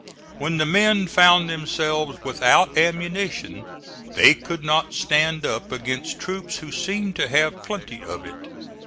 When the men found themselves without ammunition they could not stand up against troops who seemed to have plenty of it.